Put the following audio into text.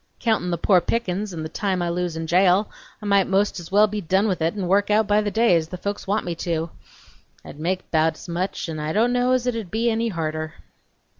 Countin' the poor pickin's n' the time I lose in jail I might most's well be done with it n' work out by the day, as the folks want me to; I'd make bout's much n' I don't know's it would be any harder!"